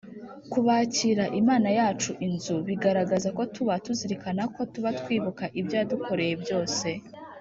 kubakira Imana yacu inzu bigaragaza ko tuba tuzirikana ko tuba twibuka ibyo yadukoreye byose